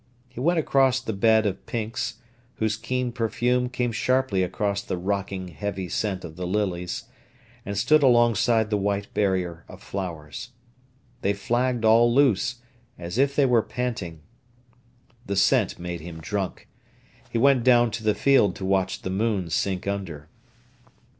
He went across the bed of pinks, whose keen perfume came sharply across the rocking, heavy scent of the lilies, and stood alongside the white barrier of flowers. They flagged all loose, as if they were panting. The scent made him drunk. He went down to the field to watch the moon sink under.